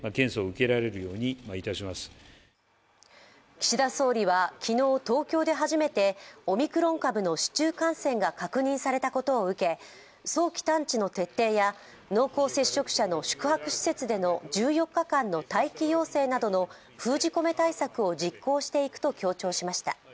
岸田総理は昨日、東京で初めてオミクロン株の市中感染が確認されたことを受け早期探知の徹底や濃厚接触者の宿泊施設での１４日間の待機要請などの封じ込め対策を実行していくと強調しました。